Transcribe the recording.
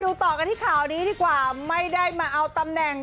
ต่อกันที่ข่าวนี้ดีกว่าไม่ได้มาเอาตำแหน่ง